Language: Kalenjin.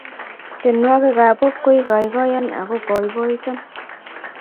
tienwokik ap pop kokaikaiyo ako poipoito